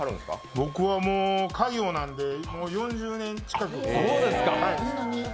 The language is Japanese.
僕はもう家業なので４０年近くで。